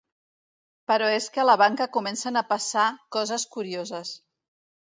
Però és que a la banca comencen a passar coses curioses.